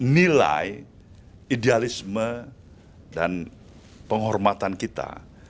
nilai idealisme dan penghormatan kita